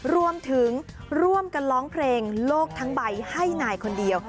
รวมถึงร่วมกันร้องเพลงโลกทั้งใบให้นายคนเดียว